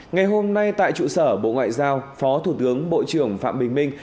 ngày hôm nay tại trụ sở bộ ngoại giao phó thủ tướng bộ trưởng phạm bình minh